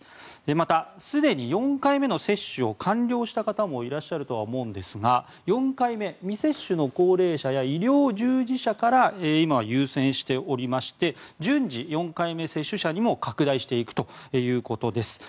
また、すでに４回目の接種を完了された方もいらっしゃるとは思うんですが４回目未接種の高齢者や医療従事者から今は優先しておりまして順次、４回目接種者にも拡大していくということです。